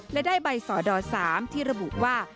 และได้ใบสดอ๓ที่ระบุว่า